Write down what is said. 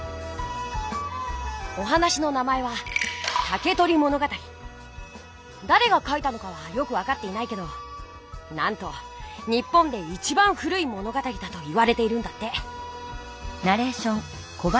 お話の名前はだれが書いたのかはよくわかっていないけどなんと日本でいちばん古い物語だといわれているんだって。